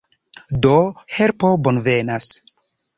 Do, helpo bonvenas.